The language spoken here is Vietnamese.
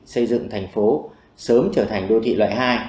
xây dựng thành phố sớm trở thành đô thị loại hai